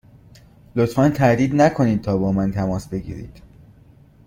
لطفا تردید نکنید تا با من تماس بگیرید.